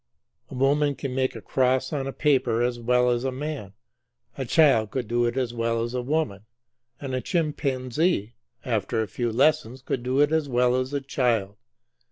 A woman can make a cross on a paper as well as a man; a child could do it as well as a woman; and a chimpanzee after a few lessons could do it as well as a child.